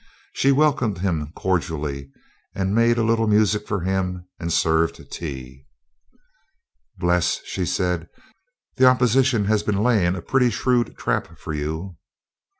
She welcomed him cordially, made a little music for him, and served tea. "Bles," she said, "the Opposition has been laying a pretty shrewd trap for you."